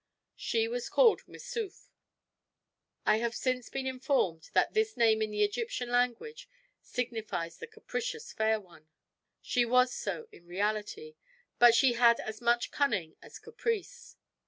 She was called Missouf. I have since been informed that this name in the Egyptian language signifies the capricious fair one. She was so in reality; but she had as much cunning as caprice.